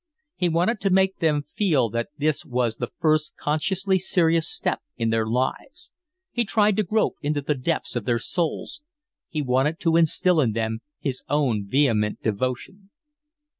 He wanted to make them feel that this was the first consciously serious step in their lives; he tried to grope into the depths of their souls; he wanted to instil in them his own vehement devotion.